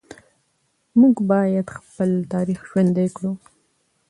موږ باید خپل تاریخ ژوندي کړو.